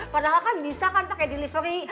padahal kan bisa kan pakai delivery